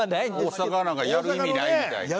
大阪なんかやる意味ないみたいな。